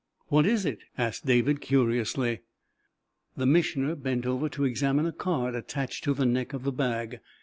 "What is it?" asked David, curiously. The Missioner bent over to examine a card attached to the neck of the bag.